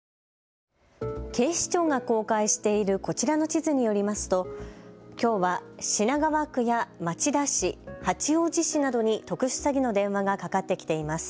警視庁が公開しているこちらの地図によりますときょうは品川区や町田市、八王子市などに特殊詐欺の電話がかかってきています。